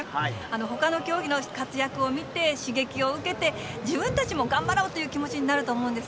ほかの競技の活躍を見て刺激を受けて、自分たちも頑張ろうという気持ちになると思うんです。